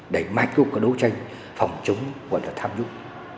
đẩy mạnh cũng có đấu tranh phòng chống gọi là tham nhũng